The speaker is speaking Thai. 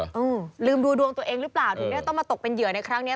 อืมลืมดูดวงตัวเองหรือเปล่าถึงเนี้ยต้องมาตกเป็นเหยื่อในครั้งนี้